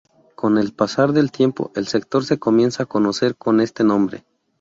Con el pasar del tiempo el sector se comienza a conocer con este nombre.